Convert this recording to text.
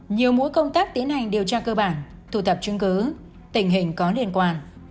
nhiều mũi công tác tiến hành điều tra cơ bản thủ tập chứng cứ tình hình có liên quan